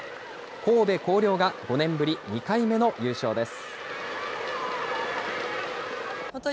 神戸弘陵が５年ぶり２回目の優勝です。